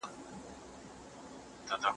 د اوښ غلا په ټيټه ملا نه کېږي.